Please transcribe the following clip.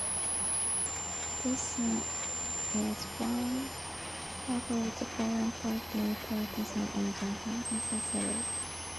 This sum is one half of the corresponding partial sum of the harmonic series.